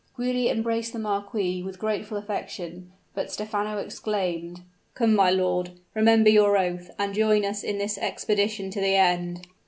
Giulia embraced the marquis with grateful affection; but Stephano exclaimed, "Come, my lord! Remember your oath, and join us in this expedition to the end!"